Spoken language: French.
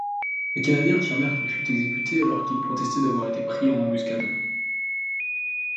Les Canadiens affirmèrent qu'il fut exécuté alors qu'il protestait d'avoir été pris en embuscade.